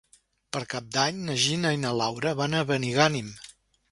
Per Cap d'Any na Gina i na Laura van a Benigànim.